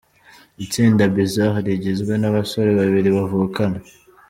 Itsinda Bizarre rigizwe n'abasore babiri bavukana.